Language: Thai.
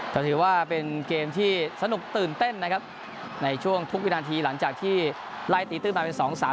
แต่ถือว่าเป็นเกมที่สนุกตื่นเต้นนะครับในช่วงทุกวินาทีหลังจากที่ไล่ตีตื้นมาเป็นสองสาม